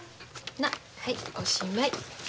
なっはいおしまい。